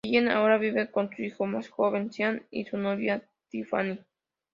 Ellen Ahora vive con su hijo más joven, Sean, y su novia, Tiffany.